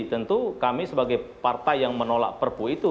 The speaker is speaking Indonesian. tentu kami sebagai partai yang menolak perpu itu